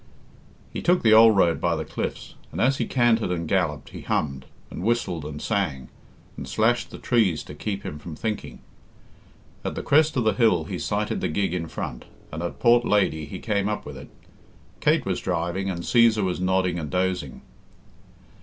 He took the old road by the cliffs, and as he cantered and galloped, he hummed, and whistled, and sang, and slashed the trees to keep himself from thinking. At the crest of the hill he sighted the gig in front, and at Port Lady he came up with it. Kate was driving and Cæsar was nodding and dozing.